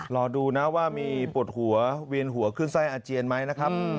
รอดูนะว่ามีปวดหัวเวียนหัวขึ้นไส้อาเจียนไหมนะครับ